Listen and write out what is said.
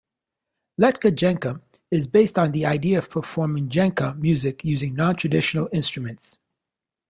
Letkajenkka is based on the idea of performing Jenkka music using non-traditional instruments.